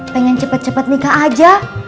pengen cepet cepet nikah aja